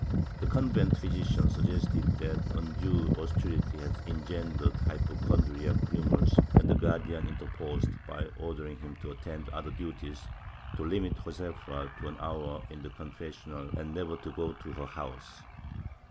The convent physician suggested that undue austerity had engendered hypochondriac humors, and the Guar dian interposed by ordering him to attend to other duties, to limit Josefa to an hour in the confessional, and never to go to her house.